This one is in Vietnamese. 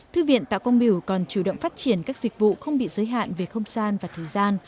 thư viện tạo quang biểu còn chủ động phát triển các dịch vụ không bị giới hạn về không gian và thời gian